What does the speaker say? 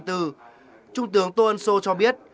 trung tướng tô ân sô cho biết